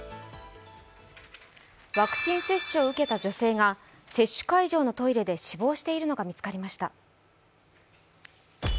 ワクチン接種を受けた女性が接種会場のトイレで死亡しているのが見つかりました。